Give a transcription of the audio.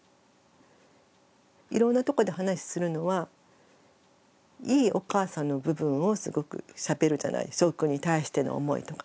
いろんなとこで話するのはいいお母さんの部分をすごくしゃべるじゃないしょうくんに対しての思いとか。